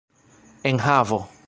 enhavo